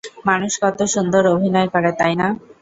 মানুষ কতো সুন্দর অভিনয় করে, তাইনা?